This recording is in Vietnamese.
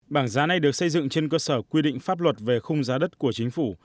bảng giá này được xây dựng trên cơ sở quy định pháp luật về khung giá đất của chính phủ